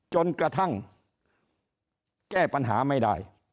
จนกระทั่งแก้ปัญหาไม่ได้